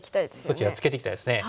そちらツケていきたいですね。